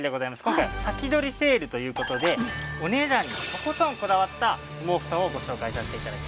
今回先取りセールという事でお値段にとことんこだわった羽毛布団をご紹介させて頂きます。